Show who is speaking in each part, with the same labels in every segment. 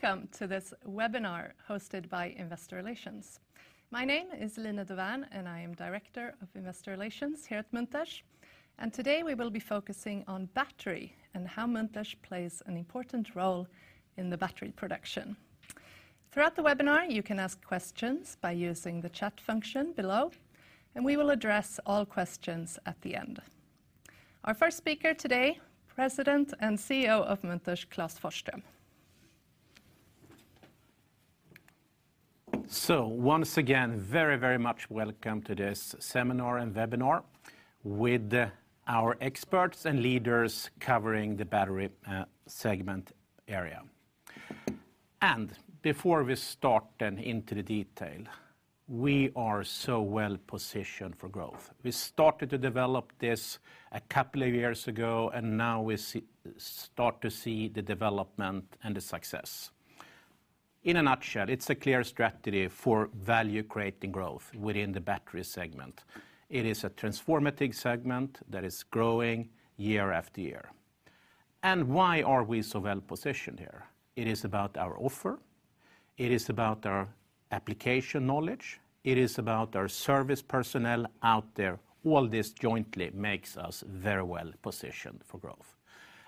Speaker 1: Welcome to this webinar hosted by Investor Relations. My name is Line Dovärn, and I am Director of Investor Relations here at Munters. Today, we will be focusing on battery and how Munters plays an important role in the battery production. Throughout the webinar, you can ask questions by using the chat function below, and we will address all questions at the end. Our first speaker today, President and CEO of Munters, Klas Forsström.
Speaker 2: Once again, very, very much welcome to this seminar and webinar with our experts and leaders covering the battery segment area. Before we start then into the detail, we are so well-positioned for growth. We started to develop this two years ago, now we start to see the development and the success. In a nutshell, it's a clear strategy for value-creating growth within the battery segment. It is a transformative segment that is growing year after year. Why are we so well-positioned here? It is about our offer. It is about our application knowledge. It is about our service personnel out there. All this jointly makes us very well-positioned for growth.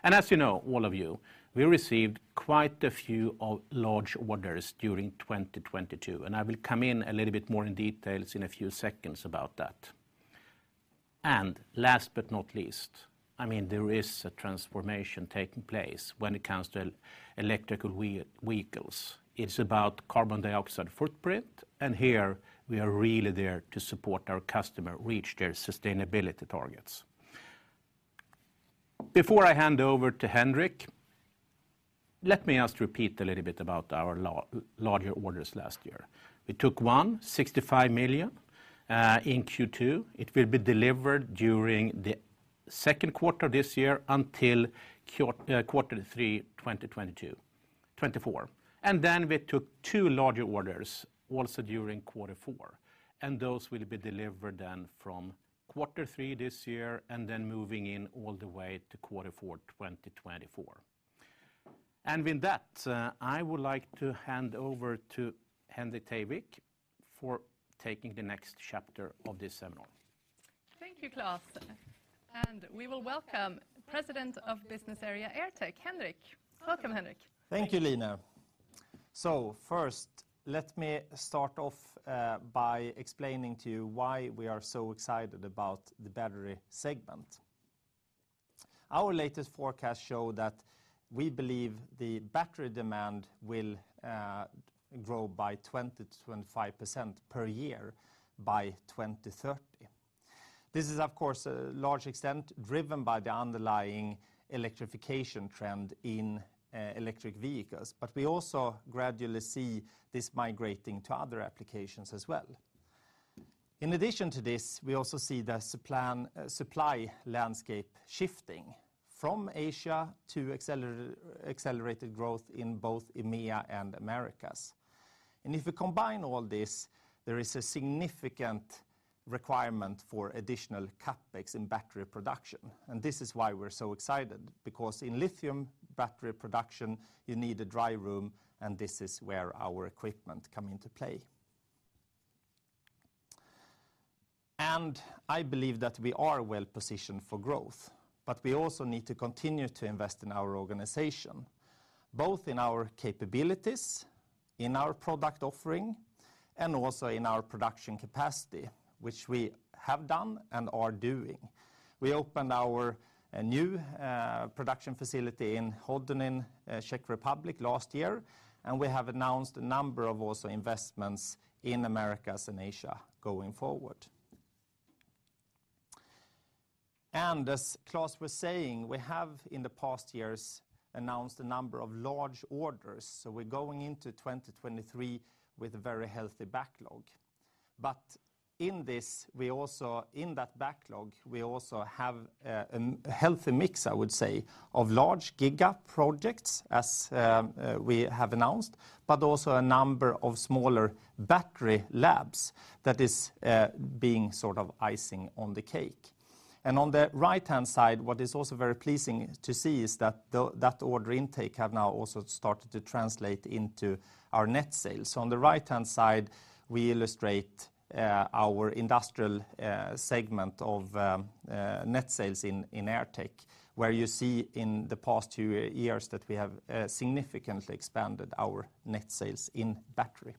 Speaker 2: As you know, all of you, we received quite a few of large orders during 2022, and I will come in a little bit more in details in a few seconds about that. Last but not least, I mean, there is a transformation taking place when it comes to electrical vehicles. It's about carbon dioxide footprint, and here we are really there to support our customer reach their sustainability targets. Before I hand over to Henrik, let me just repeat a little bit about our larger orders last year. We took one, 65 million in Q2. It will be delivered during the Q2 this year until Q3 2024. Then we took two larger orders also during quarter four, and those will be delivered then from quarter three this year and then moving in all the way to quarter four, 2024. With that, I would like to hand over to Henrik Teiwik for taking the next chapter of this seminar.
Speaker 1: Thank you, Klas. We will welcome President of Business Area AirTech, Henrik. Welcome, Henrik.
Speaker 3: Thank you, Line. First, let me start off by explaining to you why we are so excited about the battery segment. Our latest forecast show that we believe the battery demand will grow by 20%-25% per year by 2030. This is, of course, a large extent driven by the underlying electrification trend in electric vehicles. We also gradually see this migrating to other applications as well. In addition to this, we also see the supply landscape shifting from Asia to accelerated growth in both EMEA and Americas. If we combine all this, there is a significant requirement for additional CapEx in battery production. This is why we're so excited because in lithium battery production, you need a dry room, and this is where our equipment come into play. I believe that we are well-positioned for growth, but we also need to continue to invest in our organization, both in our capabilities, in our product offering, and also in our production capacity, which we have done and are doing. We opened our new production facility in Hodonin, Czech Republic last year, and we have announced a number of also investments in Americas and Asia going forward. As Klas was saying, we have, in the past years, announced a number of large orders, so we're going into 2023 with a very healthy backlog. In that backlog, we also have a healthy mix, I would say, of large giga projects as we have announced, but also a number of smaller battery labs that is being sort of icing on the cake. On the right-hand side, what is also very pleasing to see is that order intake have now also started to translate into our net sales. On the right-hand side, we illustrate our industrial segment of net sales in AirTech, where you see in the past two years that we have significantly expanded our net sales in battery.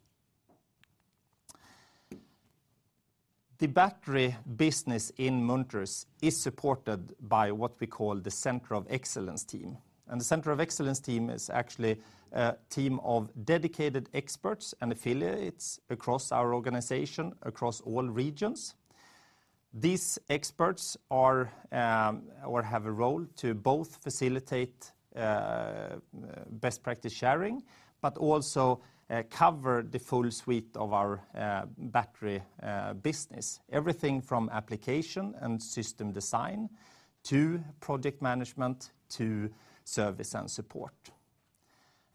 Speaker 3: The battery business in Munters is supported by what we call the Center of Excellence team. The Center of Excellence team is actually a team of dedicated experts and affiliates across our organization, across all regions. These experts are or have a role to both facilitate best practice sharing, but also cover the full suite of our battery business. Everything from application and system design to project management to service and support.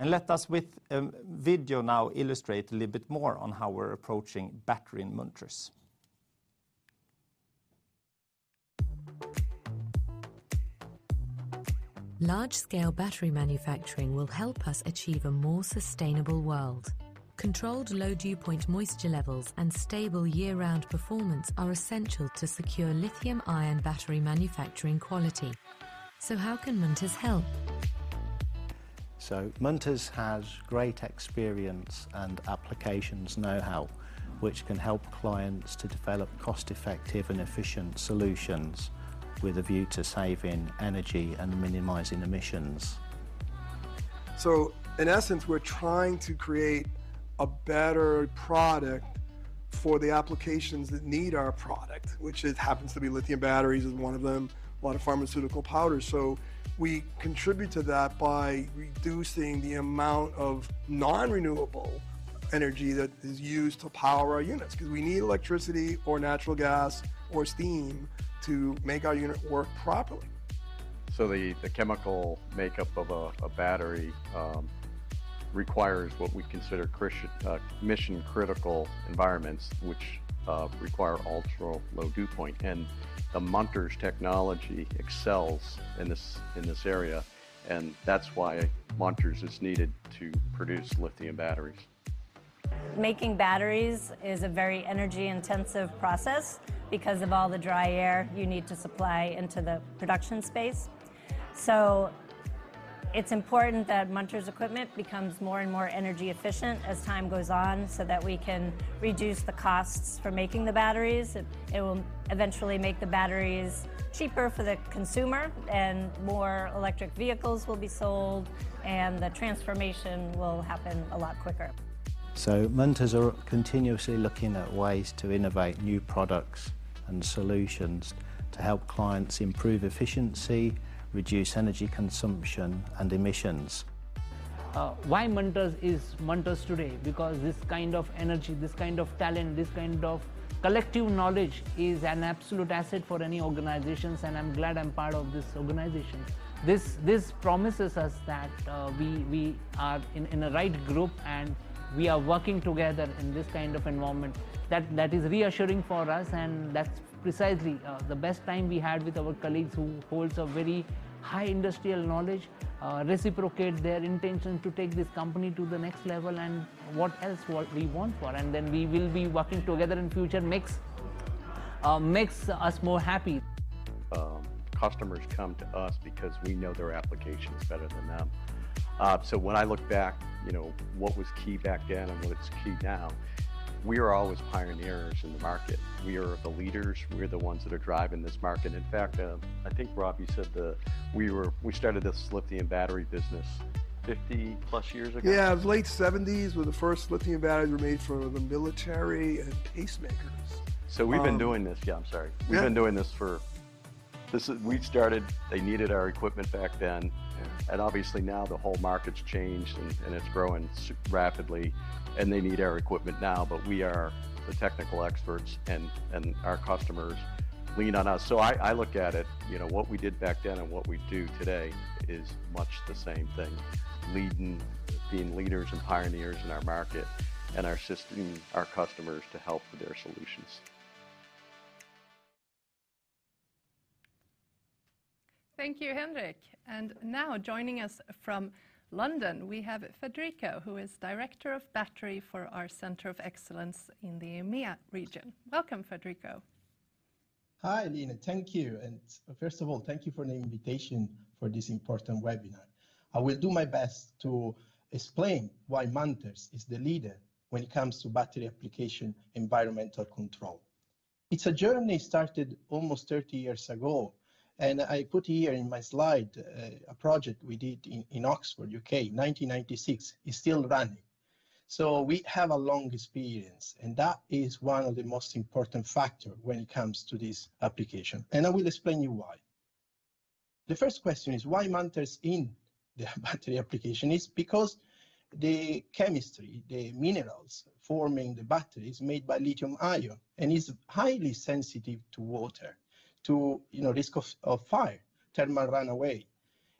Speaker 3: Let us with, video now illustrate a little bit more on how we're approaching battery in Munters.
Speaker 4: Large-scale battery manufacturing will help us achieve a more sustainable world. Controlled low dew point moisture levels and stable year-round performance are essential to secure lithium-ion battery manufacturing quality. How can Munters help? Munters has great experience and applications know-how, which can help clients to develop cost-effective and efficient solutions with a view to saving energy and minimizing emissions. In essence, we're trying to create a better product for the applications that need our product, which it happens to be lithium batteries is one of them, a lot of pharmaceutical powders. We contribute to that by reducing the amount of non-renewable energy that is used to power our units, 'cause we need electricity or natural gas or steam to make our unit work properly. The chemical makeup of a battery requires what we consider mission critical environments, which require ultra-low dew point. The Munters technology excels in this area, and that's why Munters is needed to produce lithium batteries. Making batteries is a very energy intensive process because of all the dry air you need to supply into the production space. It's important that Munters equipment becomes more and more energy efficient as time goes on, so that we can reduce the costs for making the batteries. It will eventually make the batteries cheaper for the consumer, more electric vehicles will be sold, the transformation will happen a lot quicker. Munters are continuously looking at ways to innovate new products and solutions to help clients improve efficiency, reduce energy consumption and emissions. Why Munters is Munters today? Because this kind of energy, this kind of talent, this kind of collective knowledge is an absolute asset for any organizations, and I am glad I am part of this organization. This promises us that we are in a right group, and we are working together in this kind of environment. That is reassuring for us, and that is precisely the best time we had with our colleagues who holds a very high industrial knowledge, reciprocates their intention to take this company to the next level, and what else what we want for. Then we will be working together in future makes us more happy. Customers come to us because we know their applications better than them. When I look back, you know, what was key back then and what is key now, we are always pioneers in the market. We are the leaders, we're the ones that are driving this market. In fact, I think Rob, you said the. We started this lithium battery business 50-plus years ago? Yeah. Late seventies were the first lithium batteries were made for the military and pacemakers. We've been doing this. Yeah, I'm sorry. Yeah. We started, they needed our equipment back then. Yeah. Obviously now the whole market's changed, and it's growing rapidly, and they need our equipment now. We are the technical experts and our customers lean on us. I look at it, you know, what we did back then and what we do today is much the same thing, leading, being leaders and pioneers in our market and assisting our customers to help with their solutions.
Speaker 1: Thank you, Henrik. Now joining us from London, we have Federico, who is Director of Battery for our Centre of Excellence in the EMEA region. Welcome, Federico.
Speaker 5: Hi, Line. Thank you. First of all, thank you for the invitation for this important webinar. I will do my best to explain why Munters is the leader when it comes to battery application environmental control. It's a journey started almost 30 years ago. I put here in my slide a project we did in Oxford, U.K., 1996. It's still running. We have a long experience, that is one of the most important factor when it comes to this application. I will explain you why. The first question is why Munters in the battery application? It's because the chemistry, the minerals forming the battery is made by lithium-ion, it's highly sensitive to water, to, you know, risk of fire, thermal runaway.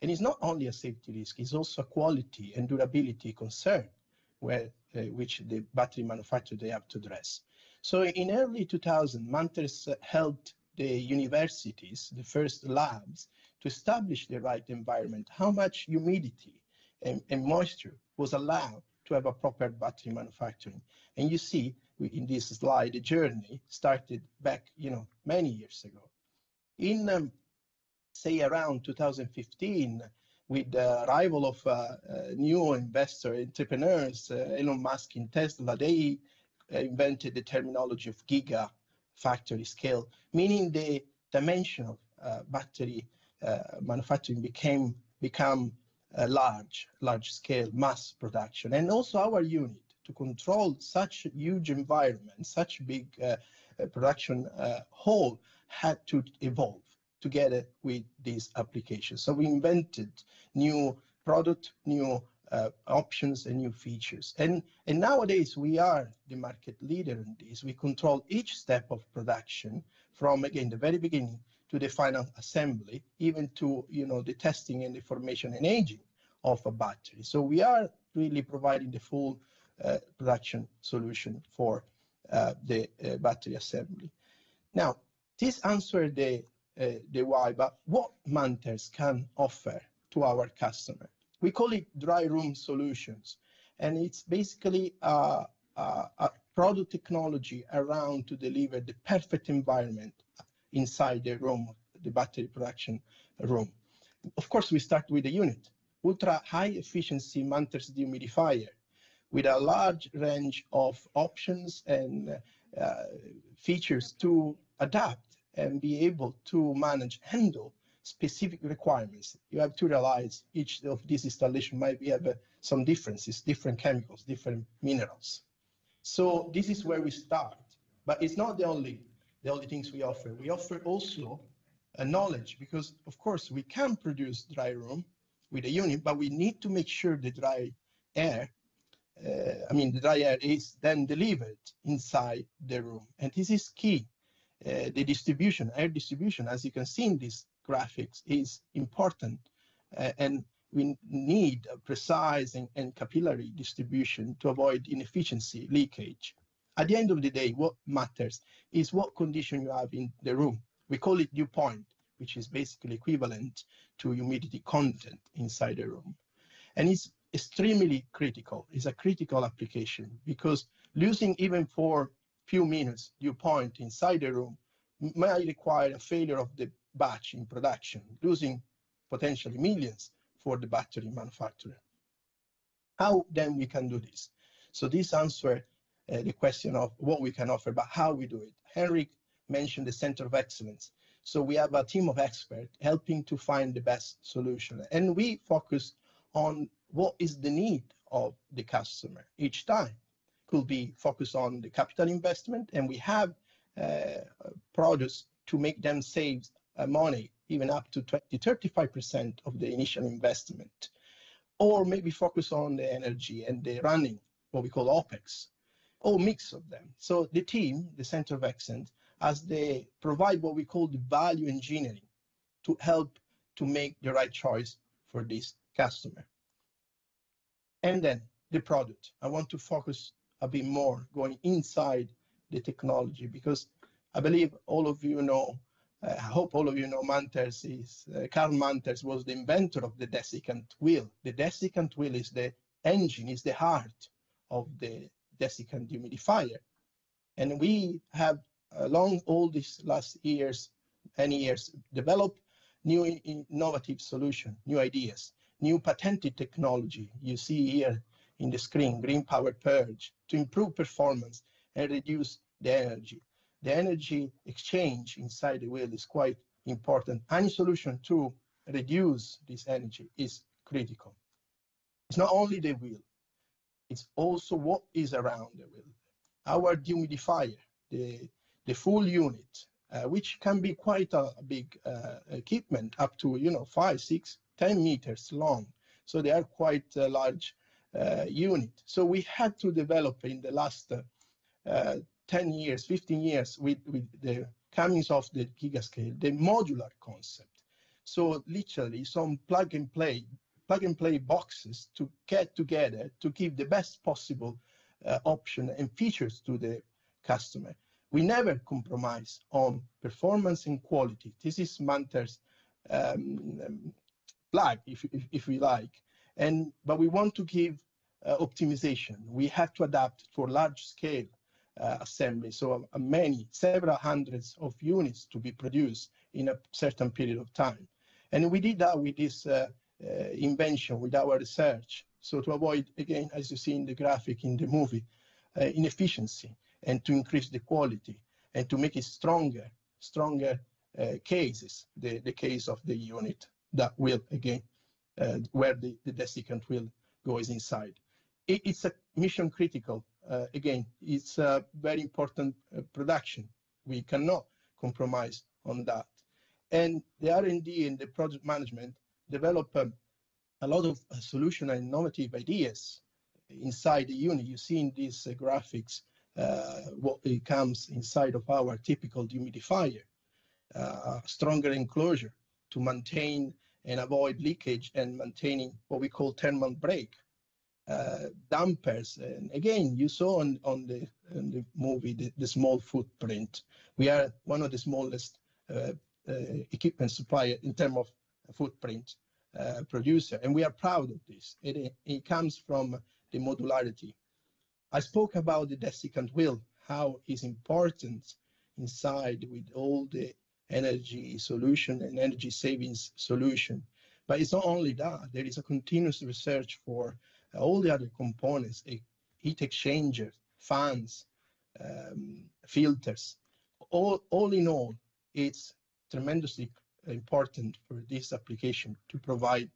Speaker 5: It's not only a safety risk, it's also a quality and durability concern where which the battery manufacturer they have to address. In early 2000, Munters helped the universities, the first labs, to establish the right environment. How much humidity and moisture was allowed to have a proper battery manufacturing. You see in this slide, the journey started back, you know, many years ago. In say around 2015, with the arrival of a new investor entrepreneurs, Elon Musk in Tesla, they invented the terminology of gigafactory scale. Meaning the dimension of battery manufacturing became a large-scale mass production. Also our unit to control such huge environment, such big production whole had to evolve together with these applications. We invented new product, new options, and new features. Nowadays we are the market leader in this. We control each step of production from, again, the very beginning to the final assembly, even to, you know, the testing and the formation and aging of a battery. We are really providing the full production solution for the battery assembly. Now, this answer the why, but what Munters can offer to our customer? We call it dry room solutions, and it's basically a product technology around to deliver the perfect environment inside the room, the battery production room. Of course, we start with the unit, ultra-high efficiency Munters dehumidifier with a large range of options and features to adapt and be able to manage, handle specific requirements. You have to realize each of these installation might have some differences, different chemicals, different minerals. This is where we start, but it's not the only things we offer. We offer also a knowledge because, of course, we can produce dry room with a unit, but we need to make sure the dry air, I mean, the dry air is then delivered inside the room, this is key. The distribution, air distribution, as you can see in these graphics, is important. We need a precise and capillary distribution to avoid inefficiency, leakage. At the end of the day, what matters is what condition you have in the room. We call it dew point, which is basically equivalent to humidity content inside the room. It's extremely critical. It's a critical application because losing even for few minutes dew point inside the room may require a failure of the batch in production, losing potentially millions for the battery manufacturer. How then we can do this? This answer the question of what we can offer, but how we do it. Henrik mentioned the center of excellence, we have a team of expert helping to find the best solution, we focus on what is the need of the customer each time. Could be focused on the capital investment, we have products to make them save money even up to 35% of the initial investment. Maybe focus on the energy and the running, what we call OpEx, or mix of them. The team, the Center of Excellence, as they provide what we call the value engineering to help to make the right choice for this customer. The product. I want to focus a bit more going inside the technology because I believe all of you know, I hope all of you know Carl Munters was the inventor of the desiccant wheel. The desiccant wheel is the engine, is the heart of the desiccant dehumidifier. We have, along all these last years, many years, developed new innovative solution, new ideas, new patented technology. You see here in the screen, Green PowerPurge, to improve performance and reduce the energy. The energy exchange inside the wheel is quite important, any solution to reduce this energy is critical. It's not only the wheel, it's also what is around the wheel. Our dehumidifier, the full unit, which can be quite a big equipment up to, you know, 5, 6, 10 meters long, they are quite a large unit. We had to develop in the last 10 years, 15 years with the comings of the giga scale, the modular concept. Literally some plug-and-play boxes to get together to give the best possible option and features to the customer. We never compromise on performance and quality. This is Munters' blood if we like. We want to give optimization. We have to adapt for large scale assembly, several hundreds of units to be produced in a certain period of time. We did that with this invention, with our research. To avoid, again, as you see in the graphic in the movie, inefficiency and to increase the quality and to make it stronger cases, the case of the unit that will again, where the desiccant wheel goes inside. It is a mission critical, again, it's a very important production. We cannot compromise on that. The R&D and the project management develop a lot of solution and innovative ideas inside the unit. You see in these graphics, what it comes inside of our typical dehumidifier. A stronger enclosure to maintain and avoid leakage and maintaining what we call thermal break. Dampers, and again, you saw on the in the movie the small footprint. We are one of the smallest equipment supplier in term of footprint, producer, and we are proud of this, and it comes from the modularity. I spoke about the desiccant wheel, how it's important inside with all the energy solution and energy savings solution. It's not only that, there is a continuous research for all the other components, heat exchangers, fans, filters. All in all, it's tremendously important for this application to provide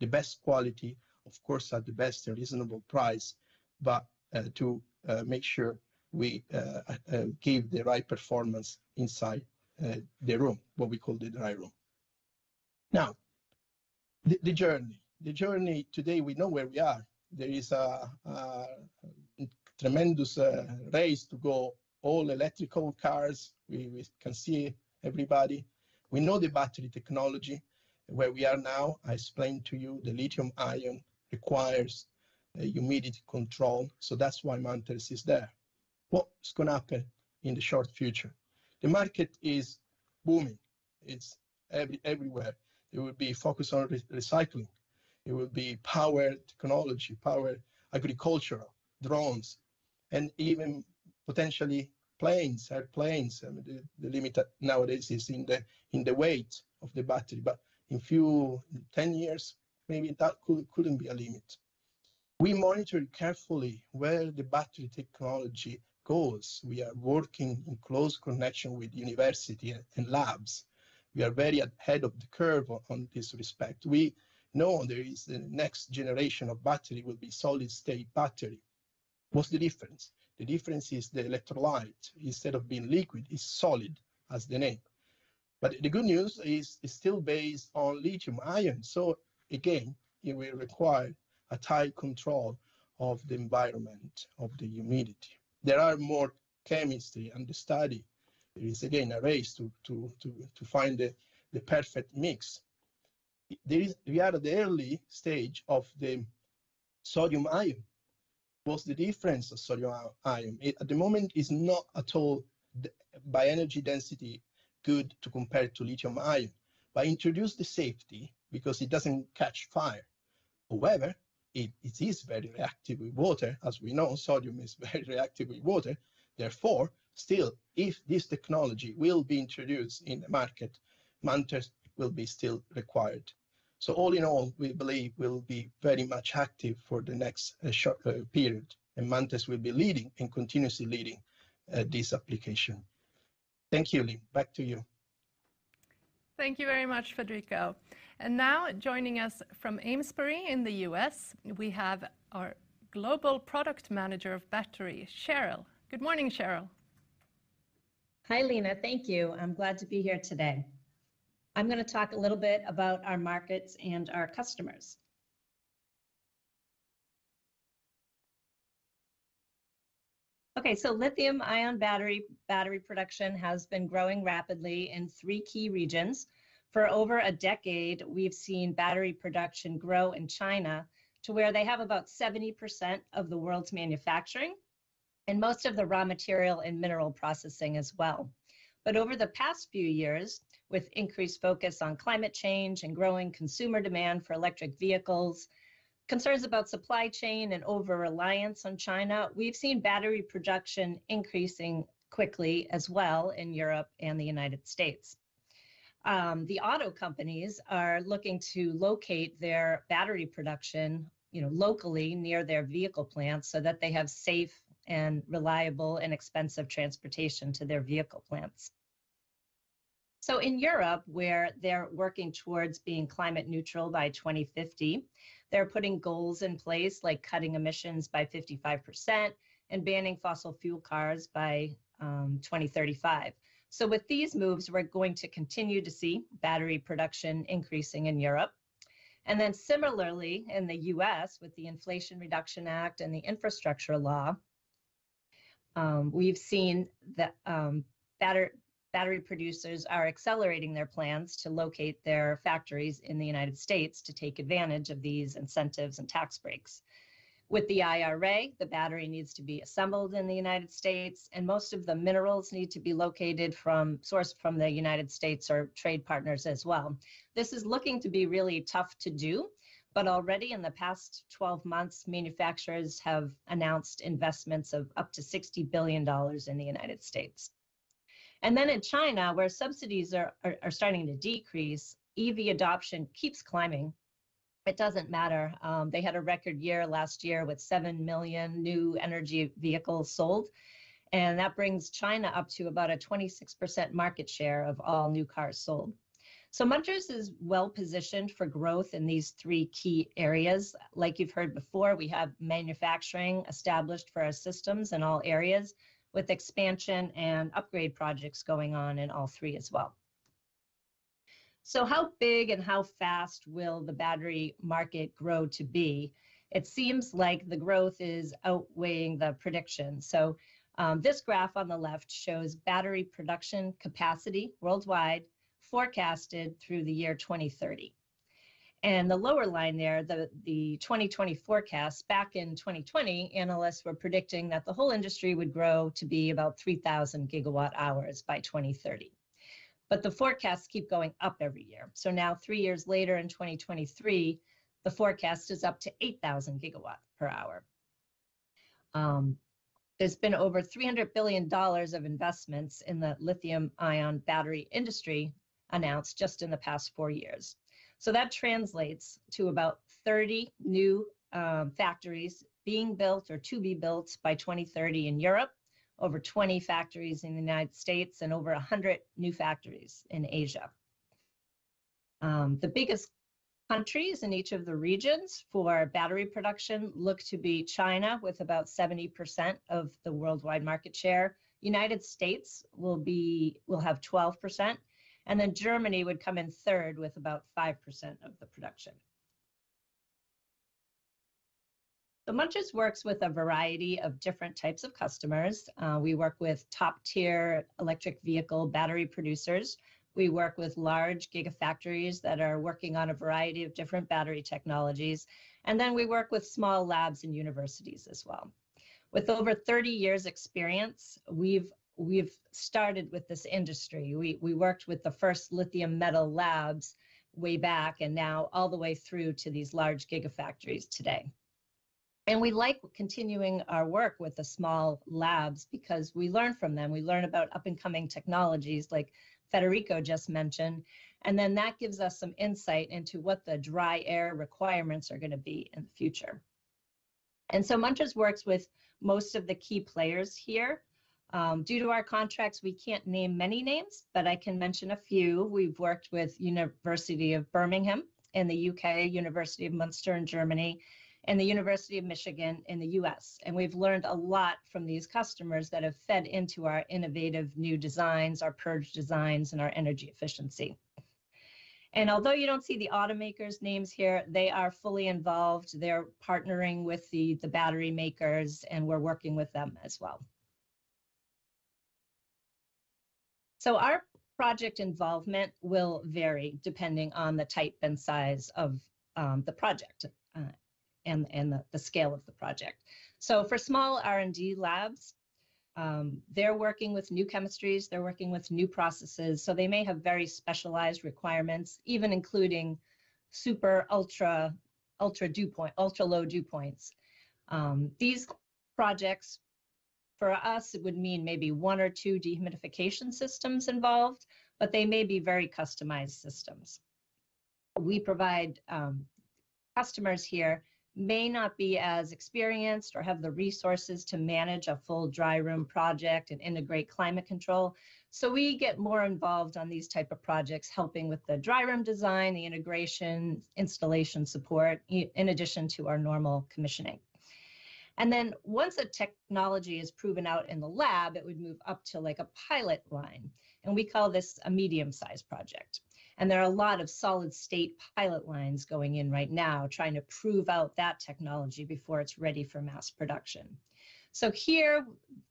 Speaker 5: the best quality, of course, at the best reasonable price, but to make sure we give the right performance inside the room, what we call the dry room. Now, the journey. The journey today, we know where we are. There is a tremendous race to go all electrical cars. We can see everybody. We know the battery technology, where we are now. I explained to you the lithium-ion requires a humidity control, so that's why Munters is there. What's gonna happen in the short future? The market is booming. It's everywhere. It will be focused on recycling. It will be power technology, power agricultural, drones, and even potentially planes, airplanes. I mean, the limit nowadays is in the weight of the battery. In few. 10 years, maybe that couldn't be a limit. We monitor carefully where the battery technology goes. We are working in close connection with university and labs. We are very ahead of the curve on this respect. We know there is the next generation of battery will be solid-state battery. What's the difference? The difference is the electrolyte. Instead of being liquid, it's solid, as the name. The good news is it's still based on lithium-ion, so again, it will require a tight control of the environment, of the humidity. There are more chemistry under study. There is again a race to find the perfect mix. We are at the early stage of the sodium-ion. What's the difference of sodium-ion? It, at the moment is not at all by energy density good to compare to lithium-ion. Introduce the safety because it doesn't catch fire. However, it is very reactive with water. As we know, sodium is very reactive with water. Therefore, still, if this technology will be introduced in the market, Munters will be still required. All in all, we believe we'll be very much active for the next short period, and Munters will be leading and continuously leading this application. Thank you, Line. Back to you.
Speaker 1: Thank you very much, Federico. Now joining us from Amesbury in the U.S., we have our Global Product Manager of Battery, Cheryl. Good morning, Cheryl.
Speaker 6: Hi, Line. Thank you. I'm glad to be here today. I'm gonna talk a little bit about our markets and our customers. Okay, lithium-ion battery production has been growing rapidly in three key regions. For over a decade, we've seen battery production grow in China to where they have about 70% of the world's manufacturing and most of the raw material and mineral processing as well. Over the past few years, with increased focus on climate change and growing consumer demand for electric vehicles, concerns about supply chain and over-reliance on China, we've seen battery production increasing quickly as well in Europe and the United States. The auto companies are looking to locate their battery production, you know, locally near their vehicle plants so that they have safe and reliable, inexpensive transportation to their vehicle plants. In Europe, where they're working towards being climate neutral by 2050, they're putting goals in place like cutting emissions by 55% and banning fossil fuel cars by 2035. With these moves, we're going to continue to see battery production increasing in Europe. Similarly in the U.S. with the Inflation Reduction Act and the Infrastructure Law, we've seen the battery producers are accelerating their plans to locate their factories in the United States to take advantage of these incentives and tax breaks. With the IRA, the battery needs to be assembled in the United States, and most of the minerals need to be sourced from the United States or trade partners as well. This is looking to be really tough to do, already in the past 12 months, manufacturers have announced investments of up to $60 billion in the United States. In China, where subsidies are starting to decrease, EV adoption keeps climbing. It doesn't matter. They had a record year last year with 7 million new energy vehicles sold, and that brings China up to about a 26% market share of all new cars sold. Munters is well-positioned for growth in these three key areas. Like you've heard before, we have manufacturing established for our systems in all areas with expansion and upgrade projects going on in all three as well. How big and how fast will the battery market grow to be? It seems like the growth is outweighing the predictions. This graph on the left shows battery production capacity worldwide forecasted through the year 2030. The lower line there, the 2020 forecast, back in 2020, analysts were predicting that the whole industry would grow to be about 3,000 GWh by 2030. The forecasts keep going up every year. Now three years later in 2023, the forecast is up to 8,000 GWh. There's been over $300 billion of investments in the lithium-ion battery industry announced just in the past four years. That translates to about 30 new factories being built or to be built by 2030 in Europe, over 20 factories in the United States, and over 100 new factories in Asia. The biggest countries in each of the regions for battery production look to be China with about 70% of the worldwide market share. United States will have 12%, and then Germany would come in third with about 5% of the production. Munters works with a variety of different types of customers. We work with top-tier electric vehicle battery producers, we work with large gigafactories that are working on a variety of different battery technologies, and then we work with small labs and universities as well. With over 30 years experience, we've started with this industry. We worked with the first lithium metal labs way back and now all the way through to these large gigafactories today. We like continuing our work with the small labs because we learn from them, we learn about up-and-coming technologies like Federico just mentioned, then that gives us some insight into what the dry air requirements are gonna be in the future. Munters works with most of the key players here. Due to our contracts, we can't name many names, but I can mention a few. We've worked with University of Birmingham in the U.K., University of Münster in Germany, and the University of Michigan in the U.S. We've learned a lot from these customers that have fed into our innovative new designs, our purge designs, and our energy efficiency. Although you don't see the automakers' names here, they are fully involved. They're partnering with the battery makers, and we're working with them as well. Our project involvement will vary depending on the type and size of the project and the scale of the project. For small R&D labs, they're working with new chemistries, they're working with new processes, so they may have very specialized requirements, even including super ultra-low dew points. These projects, for us it would mean maybe one or two dehumidification systems involved, but they may be very customized systems. We provide customers here may not be as experienced or have the resources to manage a full dry room project and integrate climate control, so we get more involved on these type of projects, helping with the dry room design, the integration, installation support, in addition to our normal commissioning. Once a technology is proven out in the lab, it would move up to, like, a pilot line. We call this a medium-sized project. There are a lot of solid-state pilot lines going in right now, trying to prove out that technology before it's ready for mass production. Here,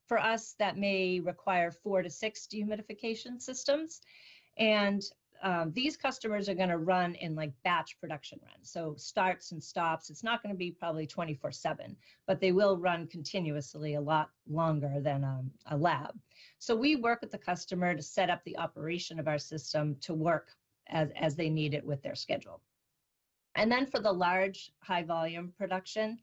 Speaker 6: for us, that may require four to six dehumidification systems. These customers are gonna run in, like, batch production runs. Starts and stops. It's not gonna be probably 24/7. They will run continuously a lot longer than a lab. We work with the customer to set up the operation of our system to work as they need it with their schedule. For the large high-volume production,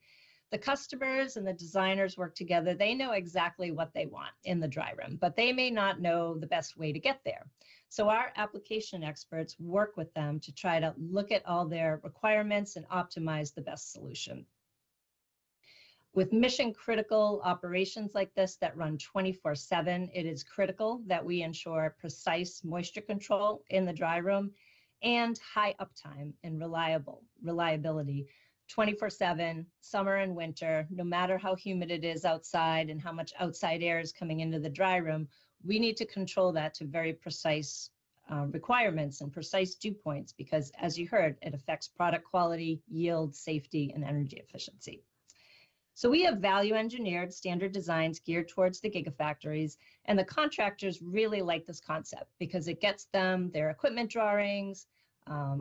Speaker 6: the customers and the designers work together. They know exactly what they want in the dry room, but they may not know the best way to get there. Our application experts work with them to try to look at all their requirements and optimize the best solution. With mission critical operations like this that run 24/7, it is critical that we ensure precise moisture control in the dry room and high uptime and reliability, 24/7, summer and winter, no matter how humid it is outside and how much outside air is coming into the dry room. We need to control that to very precise requirements and precise dew points because, as you heard, it affects product quality, yield, safety, and energy efficiency. We have value engineered standard designs geared towards the gigafactories, and the contractors really like this concept because it gets them their equipment drawings,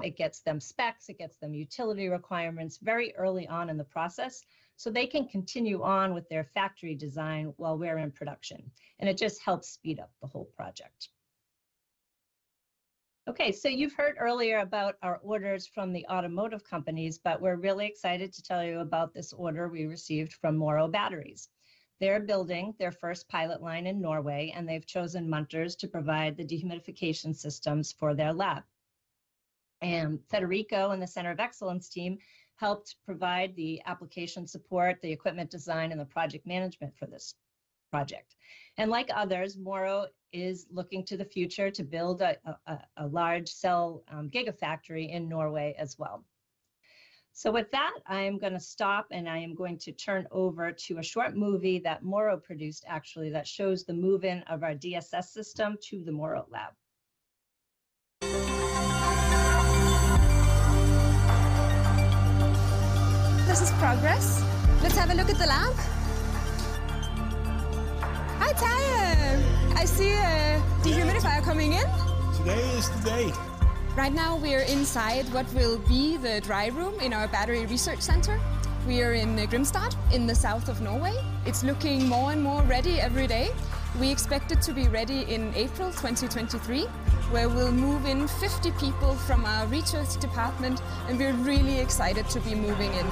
Speaker 6: it gets them specs, it gets them utility requirements very early on in the process, so they can continue on with their factory design while we're in production, and it just helps speed up the whole project. Okay, so you've heard earlier about our orders from the automotive companies, but we're really excited to tell you about this order we received from Morrow Batteries. They're building their first pilot line in Norway, and they've chosen Munters to provide the dehumidification systems for their lab. Federico and the Battery Centre of Excellence team helped provide the application support, the equipment design, and the project management for this project. Like others, Morrow is looking to the future to build a large cell gigafactory in Norway as well. With that, I am gonna stop, and I am going to turn over to a short movie that Morrow produced actually that shows the move-in of our DSS system to the Morrow lab.
Speaker 4: This is progress. Let's have a look at the lab. Hi, Paio. Hey. I see a dehumidifier coming in. Yeah. Today is the day. Right now, we're inside what will be the dry room in our battery research center. We are in Grimstad in the south of Norway. It's looking more and more ready every day. We expect it to be ready in April 2023, where we'll move in 50 people from our research department. We're really excited to be moving in.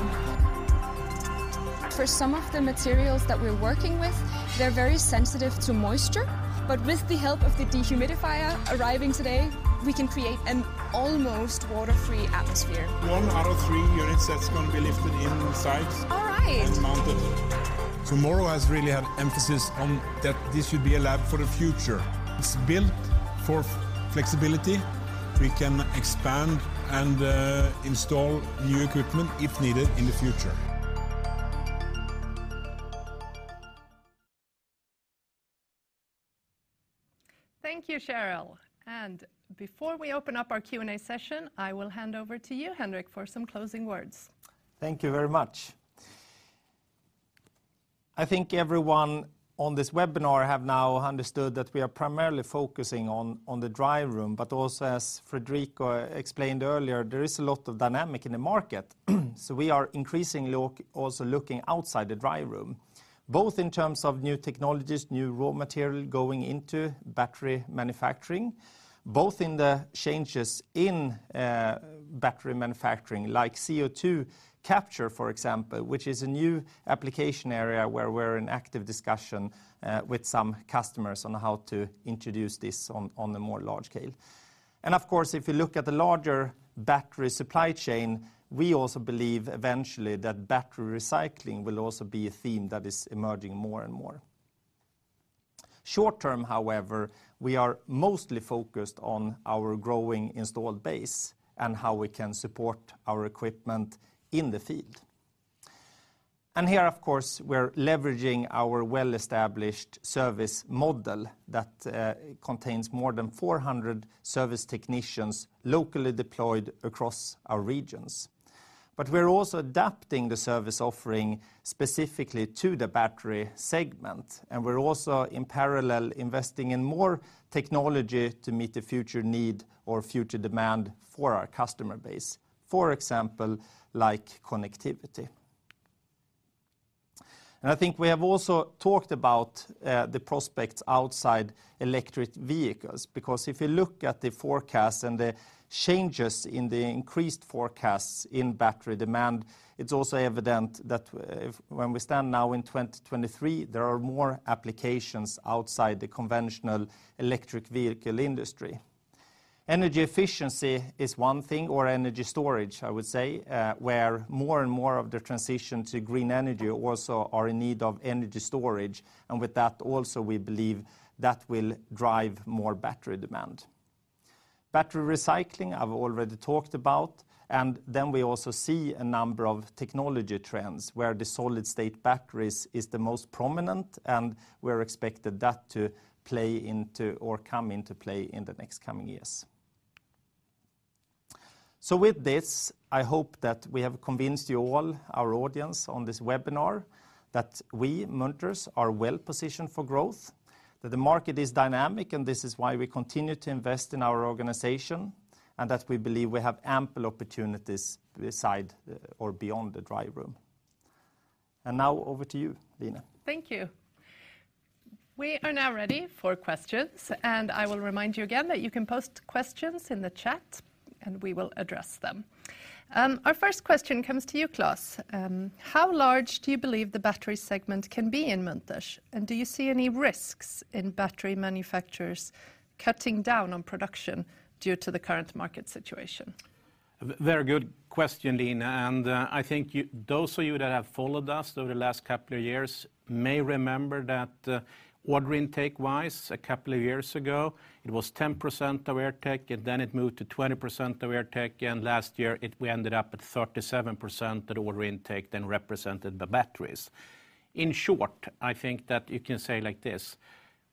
Speaker 4: For some of the materials that we're working with, they're very sensitive to moisture. With the help of the dehumidifier arriving today, we can create an almost water-free atmosphere. One out of three units that's gonna be lifted inside. All right. And mounted. Morrow has really had emphasis on that this should be a lab for the future. It's built for flexibility. We can expand and install new equipment if needed in the future.
Speaker 1: Thank you, Cheryl. Before we open up our Q&A session, I will hand over to you, Henrik, for some closing words.
Speaker 3: Thank you very much. I think everyone on this webinar have now understood that we are primarily focusing on the dry room, but also, as Federico explained earlier, there is a lot of dynamic in the market, so we are increasingly also looking outside the dry room, both in terms of new technologies, new raw material going into battery manufacturing, both in the changes in battery manufacturing, like CO2 capture, for example, which is a new application area where we're in active discussion with some customers on how to introduce this on a more large scale. Of course, if you look at the larger battery supply chain, we also believe eventually that battery recycling will also be a theme that is emerging more and more. Short term, however, we are mostly focused on our growing installed base and how we can support our equipment in the field. Here, of course, we're leveraging our well-established service model that contains more than 400 service technicians locally deployed across our regions. We're also adapting the service offering specifically to the battery segment, and we're also in parallel investing in more technology to meet the future need or future demand for our customer base, for example, like connectivity. I think we have also talked about the prospects outside electric vehicles, because if you look at the forecasts and the changes in the increased forecasts in battery demand, it's also evident that when we stand now in 2023, there are more applications outside the conventional electric vehicle industry. Energy efficiency is one thing, or energy storage, I would say, where more and more of the transition to green energy also are in need of energy storage, and with that also, we believe that will drive more battery demand. Battery recycling, I've already talked about, and then we also see a number of technology trends where the solid-state batteries is the most prominent, and we're expected that to play into or come into play in the next coming years. With this, I hope that we have convinced you all, our audience on this webinar, that we, Munters, are well-positioned for growth, that the market is dynamic, and this is why we continue to invest in our organization, and that we believe we have ample opportunities beside or beyond the dry room. Now, over to you, Line.
Speaker 1: Thank you. We are now ready for questions. I will remind you again that you can post questions in the chat, and we will address them. Our first question comes to you, Klas. How large do you believe the battery segment can be in Munters? Do you see any risks in battery manufacturers cutting down on production due to the current market situation?
Speaker 2: Very good question, Line, and I think those of you that have followed us over the last couple of years may remember that order intake-wise, a couple of years ago, it was 10% of AirTech, and then it moved to 20% of AirTech, and last year, we ended up at 37% of the order intake then represented the batteries. In short, I think that you can say like this: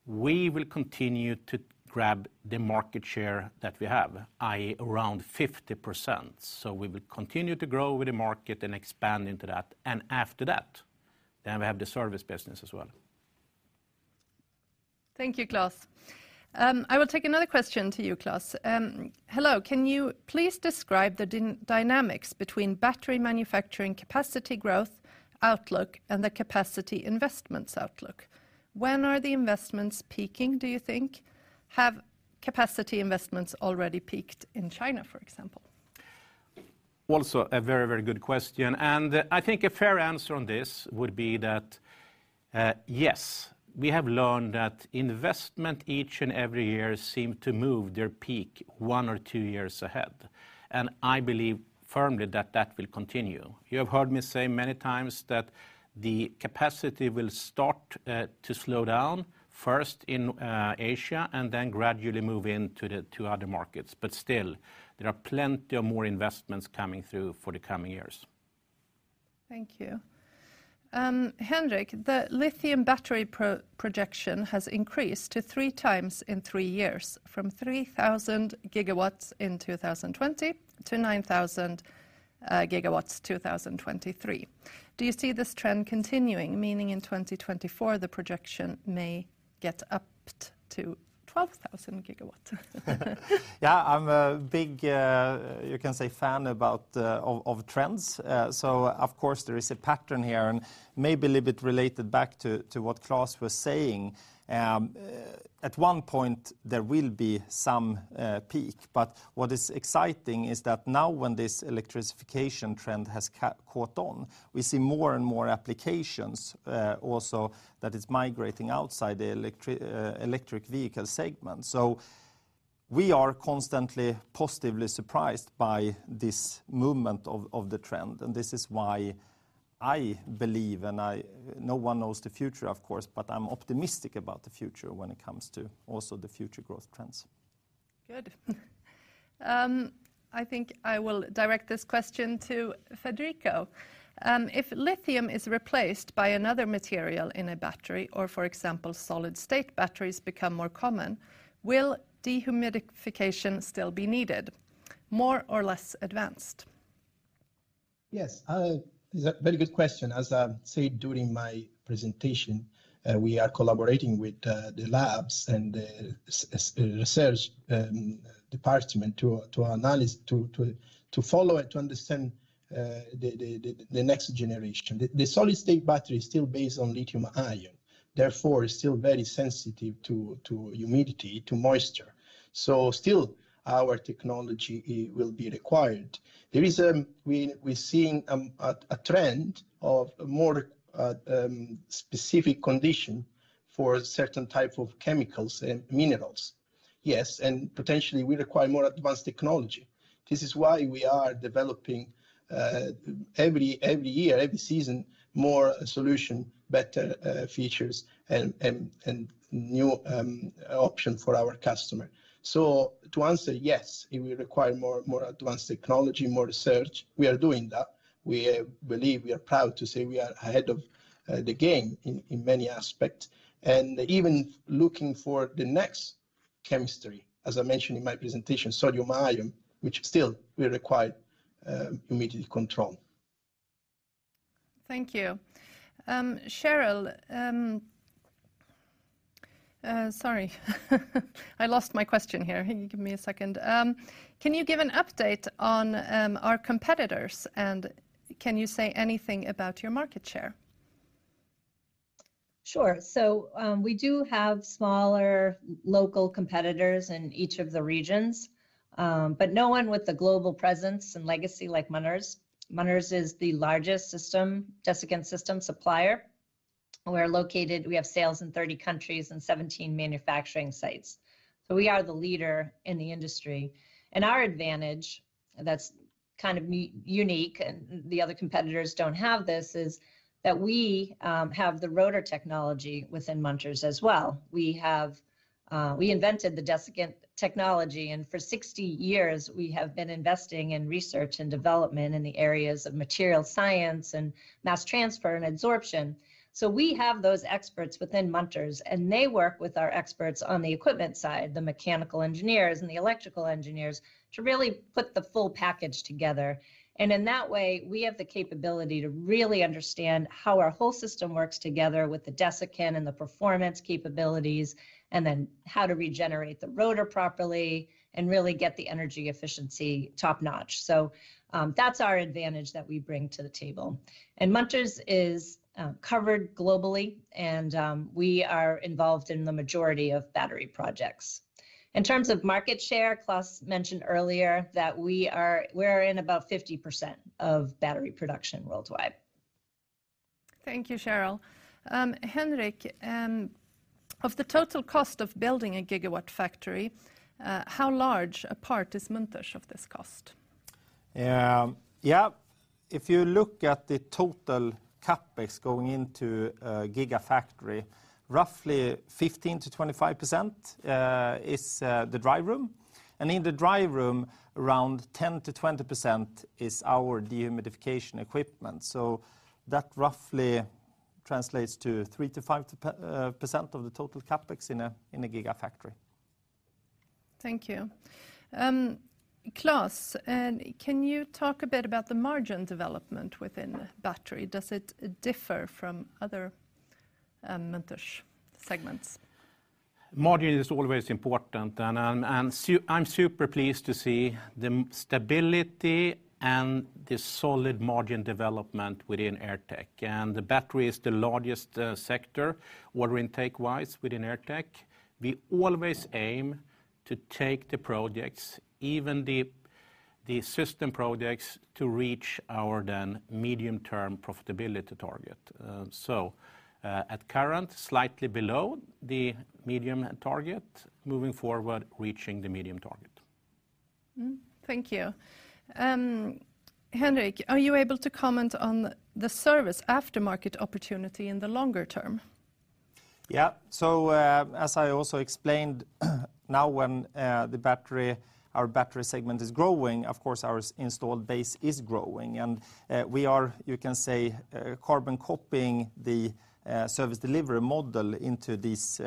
Speaker 2: We will continue to grab the market share that we have, i.e., around 50%. We will continue to grow with the market and expand into that. After that, we have the service business as well.
Speaker 1: Thank you, Klas. I will take another question to you, Klas. Hello. Can you please describe the dynamics between battery manufacturing capacity growth outlook and the capacity investments outlook? When are the investments peaking, do you think? Have capacity investments already peaked in China, for example?
Speaker 2: Also a very, very good question, and I think a fair answer on this would be that, yes, we have learned that investment each and every year seem to move their peak one or two years ahead, and I believe firmly that that will continue. You have heard me say many times that the capacity will start to slow down, first in Asia, and then gradually move into the two other markets. Still, there are plenty of more investments coming through for the coming years.
Speaker 1: Thank you. Henrik, the lithium battery pro-projection has increased to 3 times in three years from 3,000 gigawatts in 2020 to 9,000 GW 2023. Do you see this trend continuing, meaning in 2024, the projection may get upped to 12,000 GW?
Speaker 3: Yeah, I'm a big, you can say fan about, of trends. Of course there is a pattern here, and maybe a little bit related back to what Klas was saying. At one point, there will be some peak, but what is exciting is that now when this electrification trend has caught on, we see more and more applications, also that is migrating outside the electric vehicle segment. We are constantly positively surprised by this movement of the trend, and this is why I believe, and no one knows the future, of course, but I'm optimistic about the future when it comes to also the future growth trends.
Speaker 1: Good. I think I will direct this question to Federico. If lithium is replaced by another material in a battery or, for example, solid-state batteries become more common, will dehumidification still be needed, more or less advanced?
Speaker 5: Yes. It's a very good question. As I said during my presentation, we are collaborating with the labs and the research department to analyze, to follow and to understand the next generation. The solid-state battery is still based on lithium-ion, therefore is still very sensitive to humidity, to moisture. Still our technology will be required. There is, we're seeing a trend of more specific condition for certain type of chemicals and minerals. Yes, potentially we require more advanced technology. This is why we are developing every year, every season, more solution, better features and new option for our customer. To answer, yes, it will require more advanced technology, more research. We are doing that. We, believe, we are proud to say we are ahead of, the game in many aspects. Even looking for the next chemistry, as I mentioned in my presentation, sodium-ion, which still will require, humidity control.
Speaker 1: Thank you. Cheryl, sorry, I lost my question here. Give me a second. Can you give an update on our competitors, and can you say anything about your market share?
Speaker 6: Sure. We do have smaller local competitors in each of the regions, but no one with a global presence and legacy like Munters. Munters is the largest system, desiccant system supplier. We have sales in 30 countries and 17 manufacturing sites. We are the leader in the industry. Our advantage that's kind of unique, and the other competitors don't have this, is that we have the rotor technology within Munters as well. We have, we invented the desiccant technology, and for 60 years, we have been investing in research and development in the areas of material science and mass transfer and absorption. We have those experts within Munters, and they work with our experts on the equipment side, the mechanical engineers and the electrical engineers, to really put the full package together. In that way, we have the capability to really understand how our whole system works together with the desiccant and the performance capabilities, and then how to regenerate the rotor properly and really get the energy efficiency top-notch. That's our advantage that we bring to the table. Munters is covered globally, and we are involved in the majority of battery projects. In terms of market share, Klas mentioned earlier that we're in about 50% of battery production worldwide.
Speaker 1: Thank you, Cheryl. Henrik, of the total cost of building a gigawatt factory, how large a part is Munters of this cost?
Speaker 3: Yeah, if you look at the total CapEx going into a gigafactory, roughly 15%-25% is the dry room. In the dry room, around 10%-20% is our dehumidification equipment. That roughly translates to 3%-5% of the total CapEx in a gigafactory.
Speaker 1: Thank you. Klas, and can you talk a bit about the margin development within battery? Does it differ from other, Munters segments?
Speaker 2: Margin is always important. I'm super pleased to see the stability and the solid margin development within AirTech. The battery is the largest sector water intake-wise within AirTech. We always aim to take the projects, even the system projects, to reach our then medium-term profitability target. At current, slightly below the medium target, moving forward, reaching the medium target.
Speaker 1: Thank you. Henrik, are you able to comment on the service aftermarket opportunity in the longer term?
Speaker 3: Yeah. As I also explained, now when the battery, our battery segment is growing, of course our installed base is growing and we are, you can say, carbon copying the service delivery model into this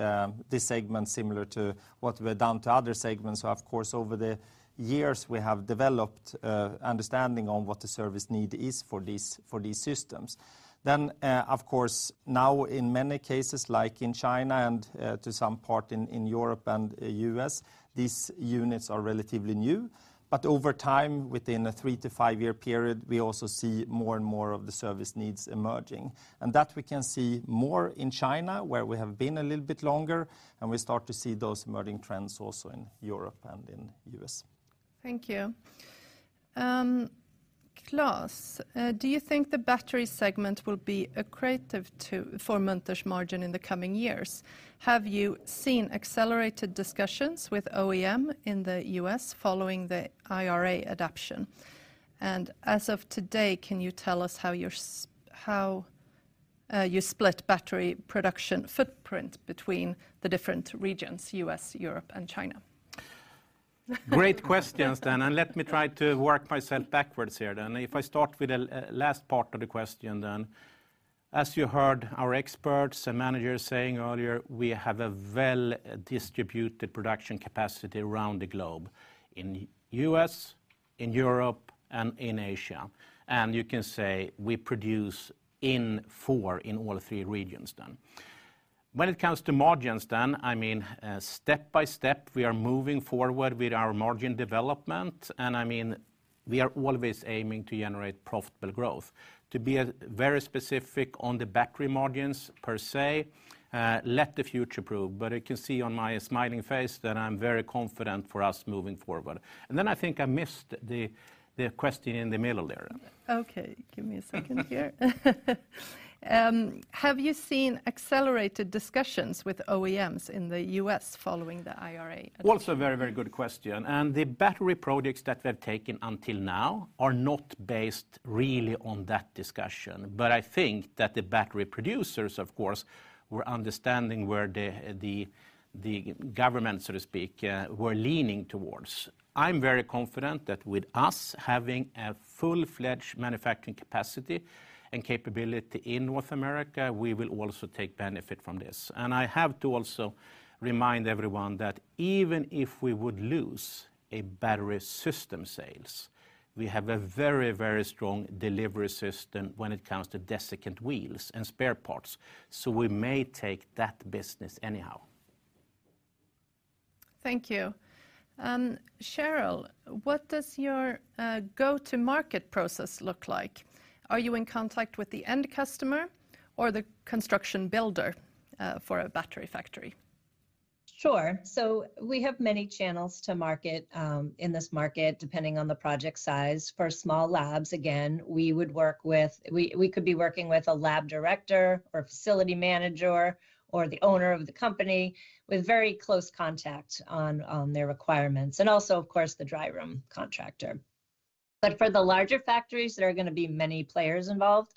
Speaker 3: segment similar to what we've done to other segments. Of course, over the years, we have developed understanding on what the service need is for these systems. Of course, now in many cases like in China and to some part in Europe and U.S., these units are relatively new. Over time, within a three to five-year period, we also see more and more of the service needs emerging. That we can see more in China, where we have been a little bit longer, and we start to see those emerging trends also in Europe and in U.S.
Speaker 1: Thank you. Klas, do you think the battery segment will be accretive for Munters' margin in the coming years? Have you seen accelerated discussions with OEM in the U.S. following the IRA adoption? As of today, can you tell us how you split battery production footprint between the different regions, U.S., Europe, and China.
Speaker 2: Great questions then, let me try to work myself backwards here then. If I start with the last part of the question then, as you heard our experts and managers saying earlier, we have a well-distributed production capacity around the globe, in U.S., in Europe, and in Asia. You can say we produce in four, in all three regions done. When it comes to margins then, I mean, step by step, we are moving forward with our margin development, and I mean, we are always aiming to generate profitable growth. To be very specific on the battery margins per se, let the future prove, but you can see on my smiling face that I'm very confident for us moving forward. Then I think I missed the question in the middle there.
Speaker 1: Okay. Give me a second here. Have you seen accelerated discussions with OEMs in the U.S. following the IRA.
Speaker 2: Also a very, very good question. The battery projects that we've taken until now are not based really on that discussion. I think that the battery producers, of course, were understanding where the government, so to speak, were leaning towards. I'm very confident that with us having a full-fledged manufacturing capacity and capability in North America, we will also take benefit from this. I have to also remind everyone that even if we would lose a battery system sales, we have a very, very strong delivery system when it comes to desiccant wheels and spare parts, so we may take that business anyhow.
Speaker 1: Thank you. Cheryl, what does your go-to-market process look like? Are you in contact with the end customer or the construction builder for a battery factory?
Speaker 6: Sure. We have many channels to market, in this market, depending on the project size. For small labs, again, we would work with. We could be working with a lab director or facility manager or the owner of the company with very close contact on their requirements, and also, of course, the dry room contractor. For the larger factories, there are gonna be many players involved.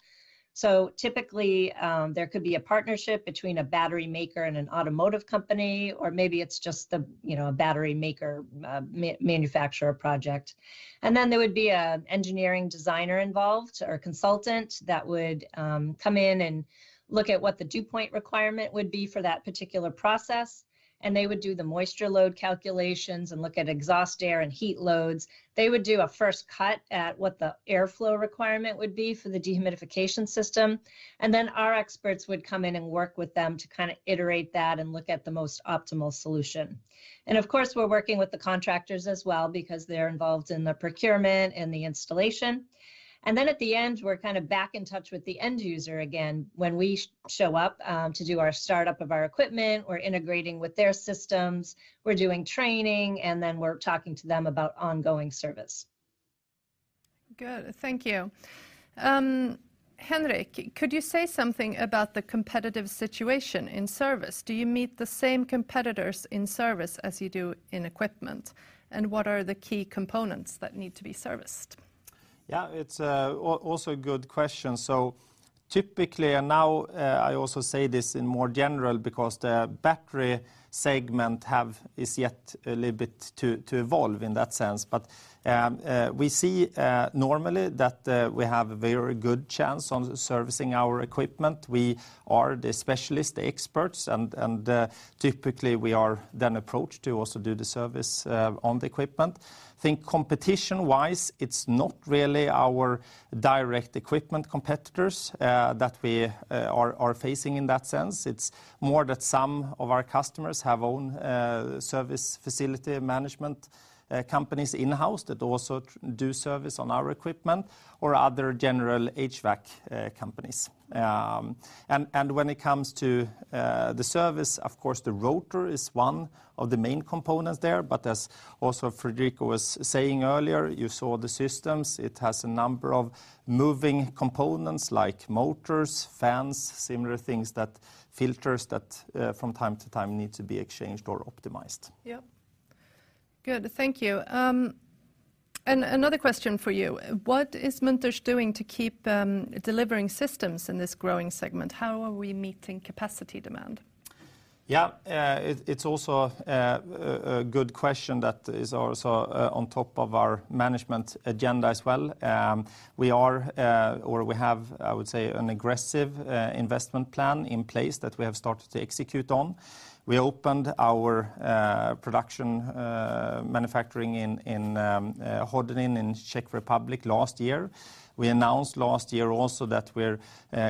Speaker 6: Typically, there could be a partnership between a battery maker and an automotive company, or maybe it's just the, you know, a battery maker, manufacturer project. Then there would be a engineering designer involved or consultant that would come in and look at what the dew point requirement would be for that particular process, and they would do the moisture load calculations and look at exhaust air and heat loads. They would do a first cut at what the airflow requirement would be for the dehumidification system. Our experts would come in and work with them to kind of iterate that and look at the most optimal solution. Of course, we're working with the contractors as well because they're involved in the procurement and the installation. At the end, we're kind of back in touch with the end user again when we show up to do our startup of our equipment. We're integrating with their systems. We're doing training, and then we're talking to them about ongoing service.
Speaker 1: Good. Thank you. Henrik, could you say something about the competitive situation in service? Do you meet the same competitors in service as you do in equipment? What are the key components that need to be serviced?
Speaker 3: It's also a good question. Typically, I also say this in more general because the battery segment is yet a little bit to evolve in that sense. We see normally that we have a very good chance on servicing our equipment. We are the specialist, the experts, and typically we are then approached to also do the service on the equipment. Think competition-wise, it's not really our direct equipment competitors that we are facing in that sense. It's more that some of our customers have own service facility management companies in-house that also do service on our equipment or other general HVAC companies. And when it comes to the service, of course, the rotor is one of the main components there. As also Federico was saying earlier, you saw the systems. It has a number of moving components like motors, fans, similar things that, filters that, from time to time need to be exchanged or optimized.
Speaker 1: Yep. Good. Thank you. Another question for you. What is Munters doing to keep delivering systems in this growing segment? How are we meeting capacity demand?
Speaker 3: Yeah. It's also a good question that is also on top of our management agenda as well. We are, or we have, I would say, an aggressive investment plan in place that we have started to execute on. We opened our production manufacturing in Hodonin in Czech Republic last year. We announced last year also that we're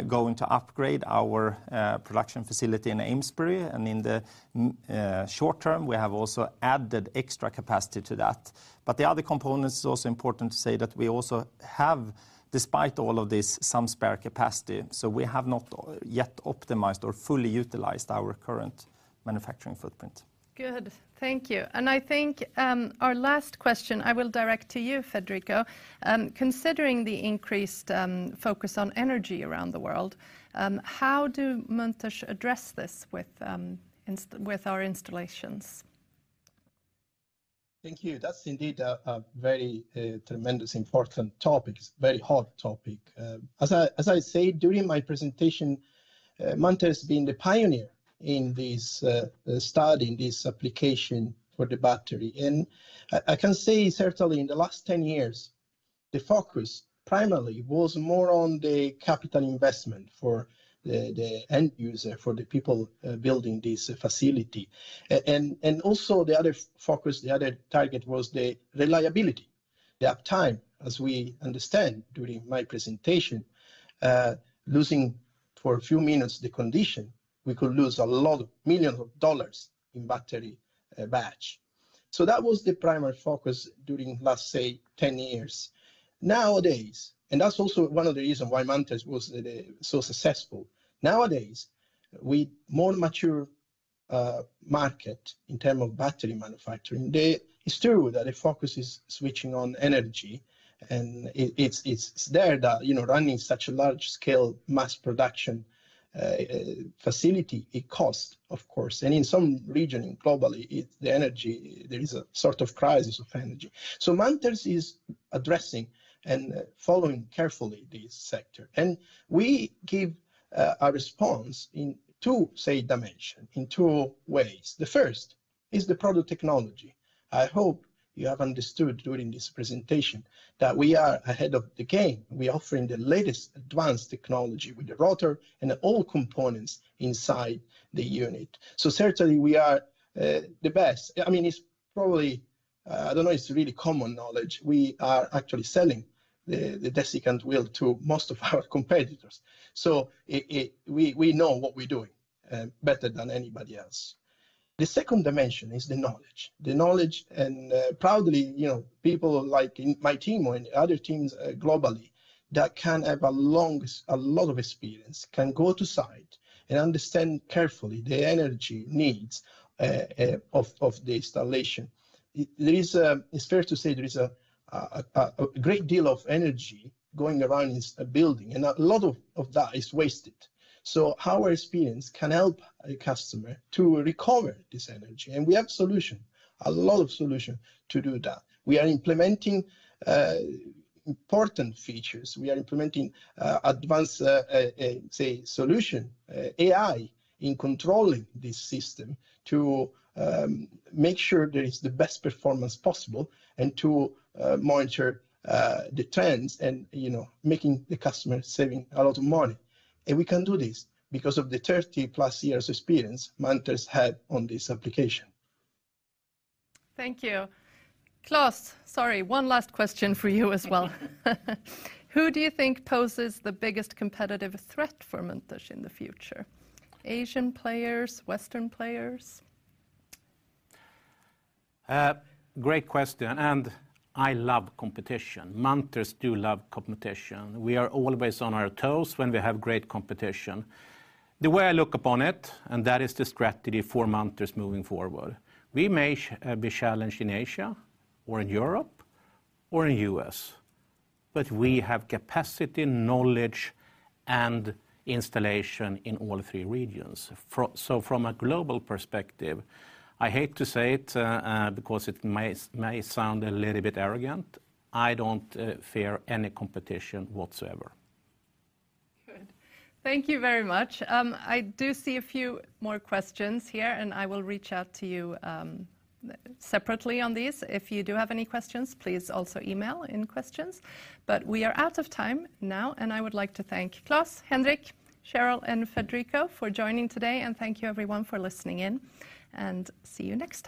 Speaker 3: going to upgrade our production facility in Amesbury, and in the short term, we have also added extra capacity to that. The other component is also important to say that we also have, despite all of this, some spare capacity. We have not yet optimized or fully utilized our current manufacturing footprint.
Speaker 1: Good. Thank you. I think, our last question I will direct to you, Federico. Considering the increased focus on energy around the world, how do Munters address this with our installations?
Speaker 5: Thank you. That's indeed a very tremendous important topic. Very hot topic. As I said during my presentation, Munters has been the pioneer in this studying this application for the battery. I can say certainly in the last 10 years, the focus primarily was more on the capital investment for the end user, for the people building this facility. And also the other focus, the other target was the reliability, the uptime. As we understand during my presentation, losing for a few minutes the condition, we could lose a lot of millions of dollars in battery batch. That was the primary focus during last, say, 10 years. Nowadays, that's also one of the reason why Munters was so successful. Nowadays, we more mature market in term of battery manufacturing. It's true that the focus is switching on energy, it's there that, you know, running such a large scale mass production facility, it costs, of course. In some region, globally, it's the energy, there is a sort of crisis of energy. Munters is addressing and following carefully this sector, and we give a response in two, say, dimension, in two ways. The first is the product technology. I hope you have understood during this presentation that we are ahead of the game. We offering the latest advanced technology with the rotor and all components inside the unit. Certainly we are the best. I mean, it's probably, I don't know, it's really common knowledge, we are actually selling the desiccant wheel to most of our competitors. We know what we're doing better than anybody else. The second dimension is the knowledge. The knowledge, proudly, you know, people like in my team or in other teams globally that can have a lot of experience, can go to site and understand carefully the energy needs of the installation. There is, it's fair to say there is a great deal of energy going around in a building, and a lot of that is wasted. Our experience can help a customer to recover this energy, and we have a lot of solution to do that. We are implementing important features. We are implementing advanced solution AI in controlling this system to make sure there is the best performance possible and to monitor the trends and, you know, making the customer saving a lot of money. We can do this because of the 30-plus years experience Munters had on this application.
Speaker 1: Thank you. Klas, sorry, one last question for you as well. Who do you think poses the biggest competitive threat for Munters in the future? Asian players? Western players?
Speaker 2: Great question. I love competition. Munters do love competition. We are always on our toes when we have great competition. The way I look upon it, that is the strategy for Munters moving forward, we may be challenged in Asia or in Europe or in U.S., but we have capacity, knowledge, and installation in all three regions. From a global perspective, I hate to say it, because it may sound a little bit arrogant, I don't fear any competition whatsoever.
Speaker 1: Good. Thank you very much. I do see a few more questions here. I will reach out to you separately on these. If you do have any questions, please also email in questions. We are out of time now. I would like to thank Klas, Henrik, Cheryl, and Federico for joining today. Thank you everyone for listening in, and see you next time.